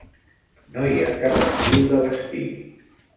No hi ha cap estil de vestir.